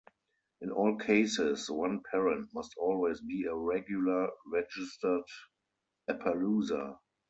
In all cases, one parent must always be a regular registered Appaloosa.